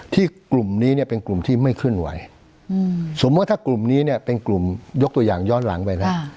กลุ่มนี้เนี่ยเป็นกลุ่มที่ไม่เคลื่อนไหวสมมุติถ้ากลุ่มนี้เนี่ยเป็นกลุ่มยกตัวอย่างย้อนหลังไปแล้ว